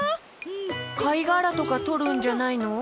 かいがらとかとるんじゃないの？